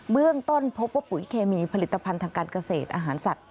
เบื้องต้นพบว่าปุ๋ยเคมีผลิตภัณฑ์ทางการเกษตรอาหารสัตว